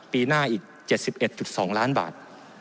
ปีหน้าอีก๗๑๒ล้านบาท